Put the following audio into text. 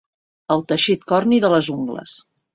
El teixit corni de les ungles.